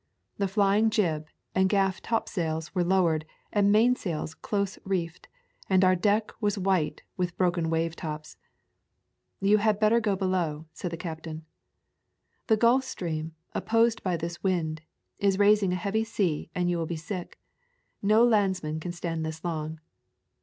The flying jib and gaff topsails were lowered and mainsails close reefed, and our deck was white with broken wave tops. "You had better go below," said the captain. "The Gulf Stream, opposed by this wind, is raising a heavy sea and you will be sick. No landsman can stand this long."